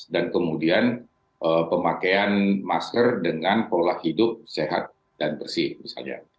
dan kemudian pemakaian masker dengan pola hidup sehat dan bersih misalnya